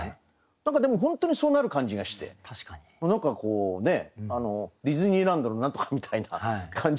何かでも本当にそうなる感じがして何かこうねディズニーランドの何とかみたいな感じの見えたんで。